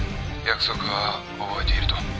約束は覚えていると」